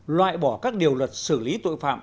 loại bỏ các điều luật xử lý tội phạm